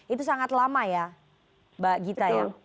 itu sangat lama ya mbak gita ya